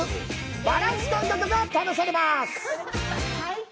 バランス感覚が試されます。